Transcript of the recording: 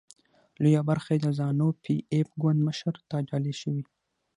لویه برخه یې د زانو پي ایف ګوند مشرانو ته ډالۍ شوې.